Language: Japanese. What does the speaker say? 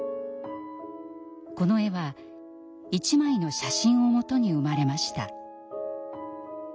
この絵は一枚の写真をもとに生まれました。